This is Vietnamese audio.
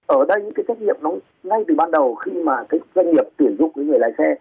ở đây những cái trách nhiệm nó ngay từ ban đầu khi mà cái doanh nghiệp tuyển dụng cái người lái xe